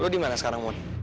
lu dimana sekarang mon